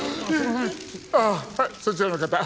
あっはいそちらの方。